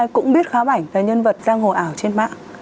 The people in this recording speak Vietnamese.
cũng biết khá bảnh là nhân vật ra ngồi ảo trên mạng